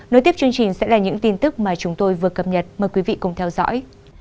nối tiếp chương trình sẽ là những tin tức mà chúng tôi vừa cập nhật mời quý vị cùng theo dõi